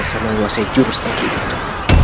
sama luasnya jurus negeri itu